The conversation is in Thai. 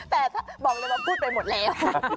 แต่ถ้าบอกเลยว่าพูดไปหมดแล้ว